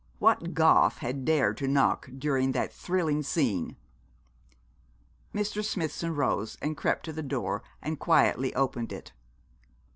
What Goth had dared to knock during that thrilling scene? Mr. Smithson rose and crept to the door and quietly opened it.